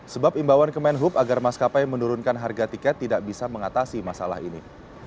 sebab imbauan kemenhub agar maskapai menurunkan harga tiket tidak bisa mengatasi masalah ini